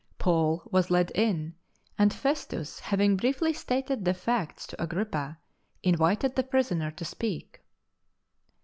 Paul was led in, and Festus, having briefly stated the facts to Agrippa, invited the prisoner to speak.